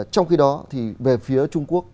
trong khi đó thì về phía trung quốc